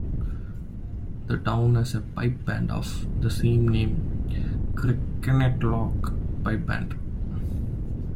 The town has a pipe band of the same name, Kirkintilloch Pipe Band.